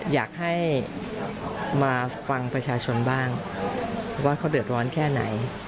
อยากให้มาฟังประชาชนบ้างว่าเขาเดือดร้อนแค่ไหน